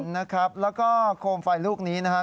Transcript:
นะครับแล้วก็โคมไฟลูกนี้นะครับ